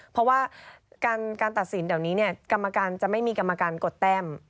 เพราะว่าการตัดสินเดี๋ยวนี้กรรมการจะไม่มีกรรมการกดแต้ม